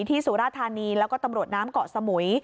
สุราธานีแล้วก็ตำรวจน้ำเกาะสมุย